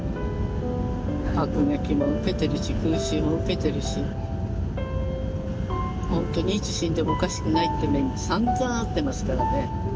爆撃も受けてるし空襲も受けてるし本当にいつ死んでもおかしくないって目にさんざん遭ってますからね。